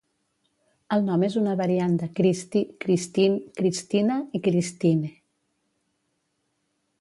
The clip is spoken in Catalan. El nom és una variant de Kristi, Kristin, Kristina i Kristine.